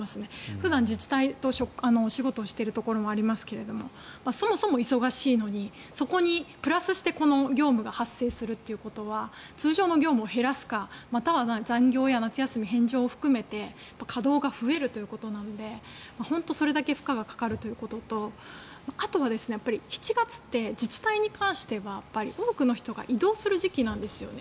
普段、自治体とお仕事をしているところもありますがそもそも忙しいのにそこにプラスしてこの業務が発生するということは通常の業務を減らすかまたは残業や夏休み返上を含めて稼働が増えるということなので本当にそれだけ負荷がかかるということとあとは、７月って自治体に関しては多くの人が異動する時期なんですよね。